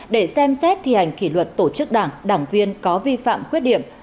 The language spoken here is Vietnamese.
để xem xét thi hành kỷ luật tổ chức đảng đảng viên có vi phạm khuyết điểm